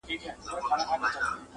• ومي د سترګو نګهبان لکه باڼه ملګري,